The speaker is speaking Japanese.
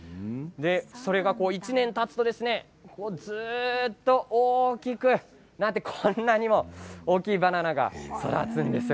それが１年たつとずっと大きくなってこんなにも大きいバナナが育つんですよ。